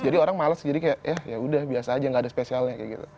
jadi orang males jadi kayak ya udah biasa aja nggak ada spesialnya kayak gitu